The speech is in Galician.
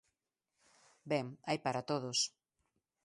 Ben, hai para todos.